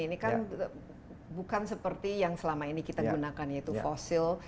ini kan bukan seperti yang selama ini kita gunakan yaitu fosil